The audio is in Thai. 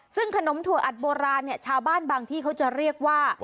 ซึ่งขนมถั่วอัดโบราณเนี่ยชาวบ้านบางที่เขาจะเรียกว่า